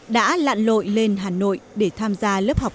đã lặn lội lên hà nội để tham gia lớp học